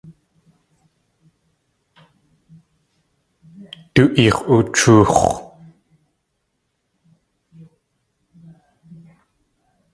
Du eex̲ oochoox̲.